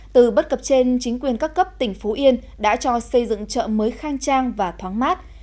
từ bất cập trên chính quyền các cấp tỉnh phú yên đã cho xây dựng chợ mới khang trang và thoáng mát